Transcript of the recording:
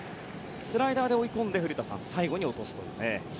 スライダーで追い込んで最後に落とすというね。